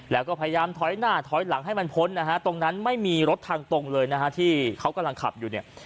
แล้วก็พยายามถอยหน้าถอยหลังให้มันพ้นนะฮะตรงนั้นไม่มีรถทางตรงเลยนะฮะที่เขากำลังขับอยู่เนี่ย